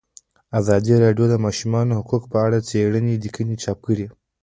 ازادي راډیو د د ماشومانو حقونه په اړه څېړنیزې لیکنې چاپ کړي.